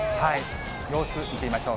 様子、見てみましょう。